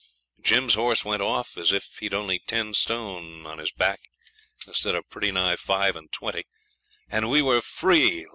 Jim's horse went off as if he had only ten stone on his back instead of pretty nigh five and twenty. And we were free!